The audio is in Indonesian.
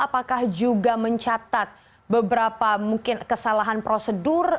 apakah juga mencatat beberapa mungkin kesalahan prosedur